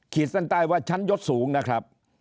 เส้นใต้ว่าชั้นยศสูงนะครับ